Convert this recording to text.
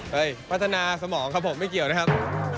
พัฒนาสมองครับผมไม่เกี่ยวนะครับ